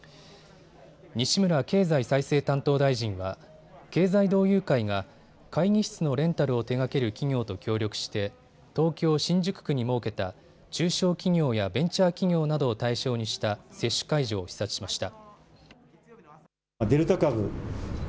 西村経済再生担当大臣は経済同友会が会議室のレンタルを手がける企業と協力して東京新宿区に設けた中小企業やベンチャー企業などを対象にした接種会場を視察しました。